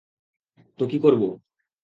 তো কি করবো?